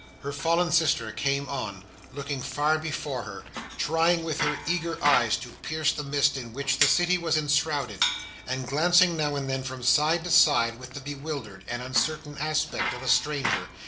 Her fallen sister came on, looking far before her, trying with her eager eyes to pierce the mist in which the city was enshrouded, and glancing, now and then, from side to side, with the bewildered—and uncertain aspect of a stranger.